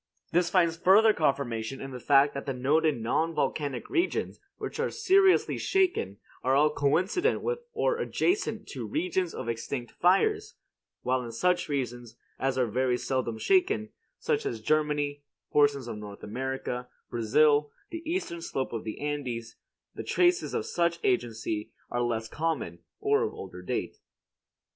This finds further confirmation in the fact that the noted non volcanic regions which are seriously shaken are all coincident with or adjacent to regions of extinct fires; while in such regions as are very seldom shaken, such as Germany, portions of North America, Brazil, the eastern slope of the Andes, the traces of such agency are less common, or of older date.